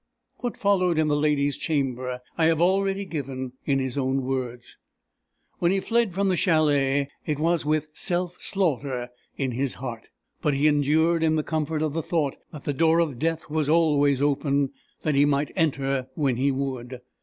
What followed in the lady's chamber, I have already given in his own words. When he fled from the chalet, it was with self slaughter in his heart. But he endured in the comfort of the thought that the door of death was always open, that he might enter when he would.